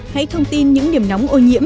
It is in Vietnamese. hãy thông tin những điểm nóng ô nhiễm